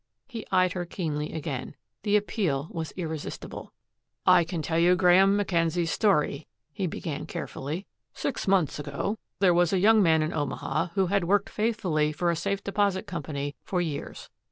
He eyed her keenly again. The appeal was irresistible. "I can tell you Graeme Mackenzie's story," he began carefully. "Six months ago there was a young man in Omaha who had worked faithfully for a safe deposit company for years.